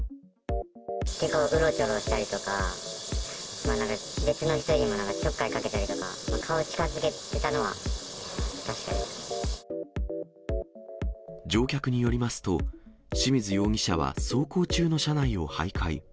結構うろちょろしたりとか、なんか別の人にも、なんかちょっかいかけたりとか、乗客によりますと、清水容疑者は走行中の車内をはいかい。